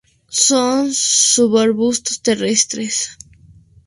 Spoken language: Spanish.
Son subarbustos terrestres.